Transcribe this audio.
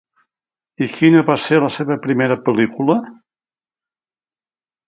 I quina va ser la seva primera pel·lícula?